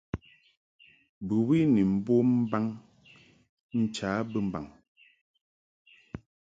Bɨwi ni mbom mbaŋ ncha bɨmbaŋ.